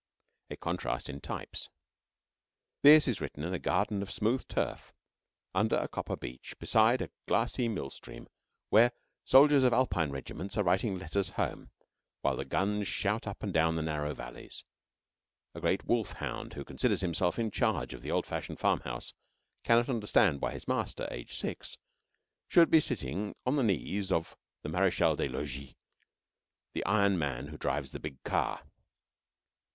A CONTRAST IN TYPES This is written in a garden of smooth turf, under a copper beech, beside a glassy mill stream, where soldiers of Alpine regiments are writing letters home, while the guns shout up and down the narrow valleys. A great wolf hound, who considers himself in charge of the old fashioned farmhouse, cannot understand why his master, aged six, should be sitting on the knees of the Marechal des Logis, the iron man who drives the big car.